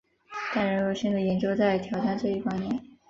但仍有新的研究在挑战这一观点。